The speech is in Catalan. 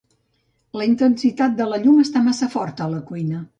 La intensitat de la llum està massa forta a la cuina.